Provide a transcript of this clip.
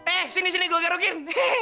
eh sini sini gue garukin